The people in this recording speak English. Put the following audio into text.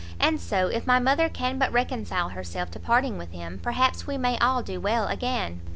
And so, if my mother can but reconcile herself to parting with him, perhaps we may all do well again."